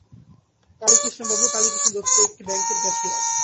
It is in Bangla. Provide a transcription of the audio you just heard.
কালীকৃষ্ণ বাবু কালীকৃষ্ণ দত্ত, একটি ব্যাঙ্কের ক্যাশিয়ার।